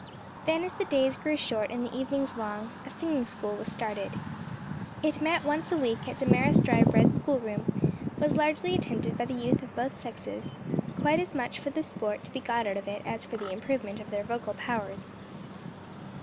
Then as the days grew short and the evenings long, a singing school was started. It met once a week at Damaris Drybread's schoolroom, was largely attended by the youth of both sexes, quite as much for the sport to be got out of it as for the improvement of their vocal powers.